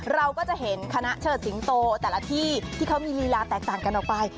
เราก็จะเห็นคณะเชิดสิงโตแต่ละที่ที่เขามีลีลาแตกต่างกันออกไป